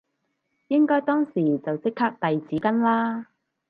應該當時就即刻遞紙巾啦